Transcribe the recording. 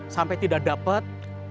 sampai tidak dapat